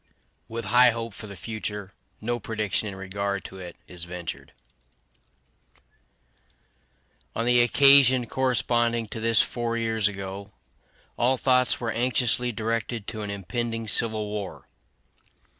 With high hope for the future, no prediction in regard to it is ventured. On the occasion corresponding to this four years ago, all thoughts were anxiously directed to an impending civil war.